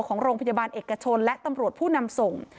ของโรงพยาบาลเอกชนและตำรวจผู้นำส่ง